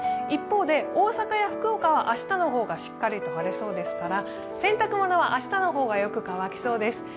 一方で、大阪や福岡は明日の方がしっかりと晴れそうですから洗濯物は明日の方がよく乾きそうです。